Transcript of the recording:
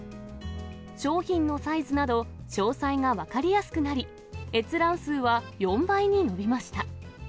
商品のサイズなど、詳細が分かりやすくなり、閲覧数は４倍に伸びました。